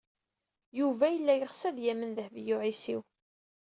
Yuba yella yeɣs ad yamen Dehbiya u Ɛisiw.